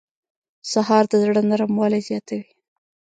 سهار د زړه نرموالی زیاتوي.